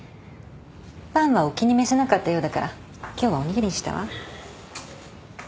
パンはお気に召さなかったようだから今日はおにぎりにしたわ。